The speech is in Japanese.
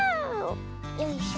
よいしょ。